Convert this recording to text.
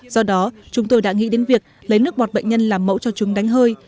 do đó chúng tôi đã nghĩ đến việc lấy nước bọt bệnh nhân làm mẫu cho chúng đánh hơi